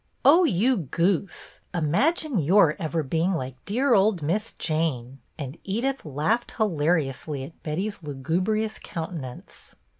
" Oh, you goose ! Imagine your ever being like dear old Miss Jane;" and Edith laughed hilariously at Betty's lugubrious countenance.